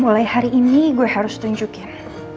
mulai hari ini gue harus tunjukin